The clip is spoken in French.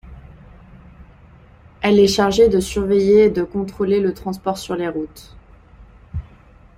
Elle est chargée de surveiller et de contrôler le transport sur les routes.